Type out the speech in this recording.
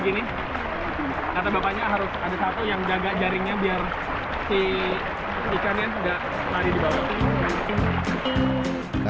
tidak lari di bawah